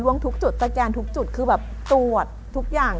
ทุกจุดสแกนทุกจุดคือแบบตรวจทุกอย่าง